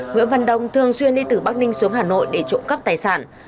nguyễn văn đông thường xuyên đi từ bắc ninh xuống hà nội để trộm cắp tài sản